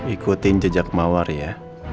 ikutin jejak mawar ya